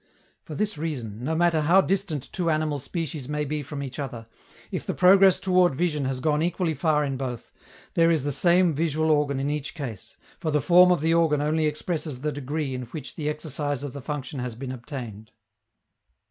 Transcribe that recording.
For this reason, no matter how distant two animal species may be from each other, if the progress toward vision has gone equally far in both, there is the same visual organ in each case, for the form of the organ only expresses the degree in which the exercise of the function has been obtained.